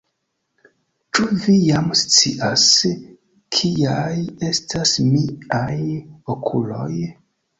Ĉu Vi jam scias, kiaj estas miaj okuloj?